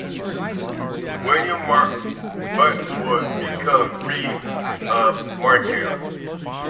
William Marr Button would become reeve of Markham.